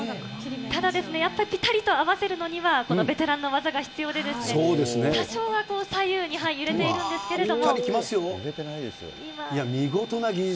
ただ、やっぱりぴたりと合わせるには、このベテランの技が必要でですね、多少は、左右に揺れているんですけれども。